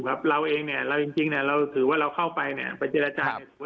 ครับเราเองเนี่ยเราจริงเราถือว่าเราเข้าไปเนี่ยประเจรจา